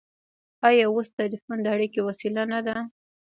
آیا اوس ټیلیفون د اړیکې وسیله نه ده؟